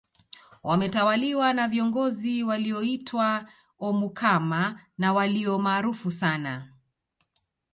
Wametawaliwa na viongozi walioitwa omukama na walio maarufu sana